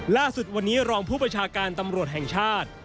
ล่าสุดวันนี้รองผู้ประชาการตำรวจแห่งชาติ